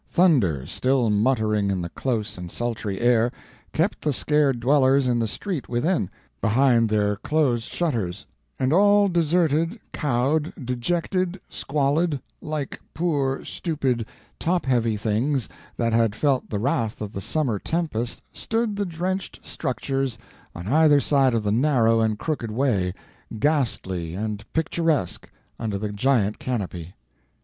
Thunder, still muttering in the close and sultry air, kept the scared dwellers in the street within, behind their closed shutters; and all deserted, cowed, dejected, squalid, like poor, stupid, top heavy things that had felt the wrath of the summer tempest, stood the drenched structures on either side of the narrow and crooked way, ghastly and picturesque, under the giant canopy.